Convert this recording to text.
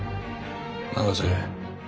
永瀬。